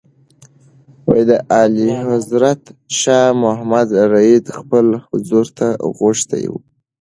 اعلیحضرت شاه محمود رېدی خپل حضور ته غوښتی و.